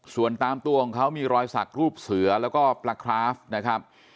ส่วนตามตัวของเขามีรอยสักรูปเสือแล้วก็ปลาคราฟนะครับ